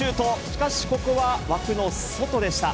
しかし、ここは枠の外でした。